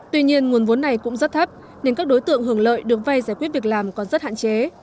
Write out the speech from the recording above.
tuy nhiên nguồn vốn này cũng rất thấp nên các đối tượng hưởng lợi được vay giải quyết việc làm còn rất hạn chế